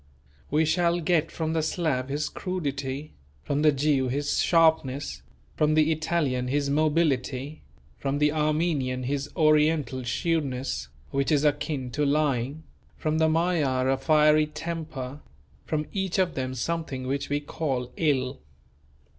We shall get from the Slav his crudity, from the Jew his sharpness, from the Italian his mobility, from the Armenian his Oriental shrewdness, which is akin to lying, from the Magyar a fiery temper; from each of them something which we call ill.